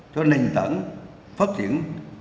cho nền tảng phát triển